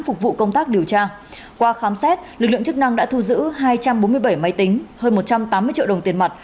phục vụ công tác điều tra qua khám xét lực lượng chức năng đã thu giữ hai trăm bốn mươi bảy máy tính hơn một trăm tám mươi triệu đồng tiền mặt